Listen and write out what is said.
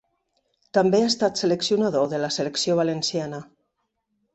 També ha estat seleccionador de la selecció valenciana.